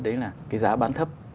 đấy là cái giá bán thấp